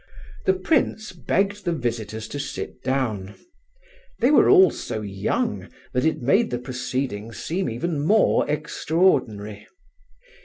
The prince begged the visitors to sit down. They were all so young that it made the proceedings seem even more extraordinary.